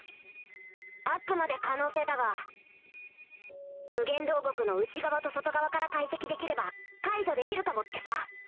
あくまで可能性だが無限牢獄の内側と外側から解析できれば解除できるかもってさ。